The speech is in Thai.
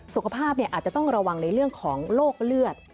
สุขภาพอาจจะต้องระวังในเรื่องของโรคเลือด